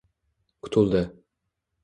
Qutuldi